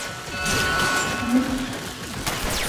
是上桥菜穗子异世界幻想小说的系列作品。